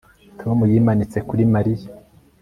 Tom yimanitse kuri Mariya